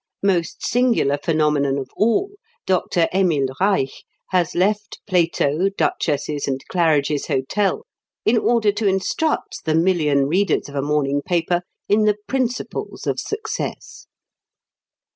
Most singular phenomenon of all, Dr. Emil Reich has left Plato, duchesses, and Claridge's Hotel, in order to instruct the million readers of a morning paper in the principles of success!